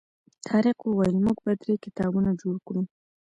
طارق وویل موږ به درې کتارونه جوړ کړو.